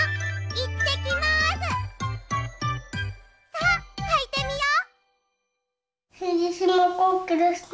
さあはいてみよう！